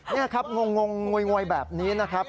นี่ครับงงวยแบบนี้นะครับ